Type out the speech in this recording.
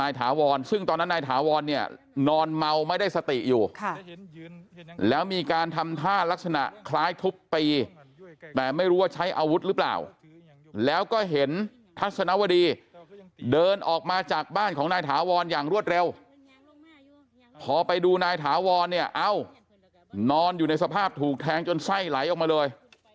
ถาวรซึ่งตอนนั้นนายถาวรเนี่ยนอนเมาไม่ได้สติอยู่แล้วมีการทำท่ารักษณะคล้ายทุบตีแต่ไม่รู้ว่าใช้อาวุธหรือเปล่าแล้วก็เห็นทัศนวดีเดินออกมาจากบ้านของนายถาวรอย่างรวดเร็วพอไปดูนายถาวรเนี่ยเอ้านอนอยู่ในสภาพถูกแทงจนไส้ไหลออกมาเลย